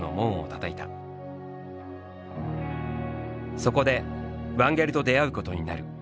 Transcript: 「そこでワンゲルと出会うことになる。